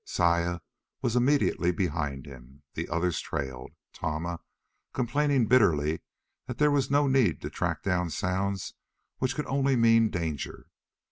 Saya was immediately behind him. The others trailed, Tama complaining bitterly that there was no need to track down sounds which could only mean danger.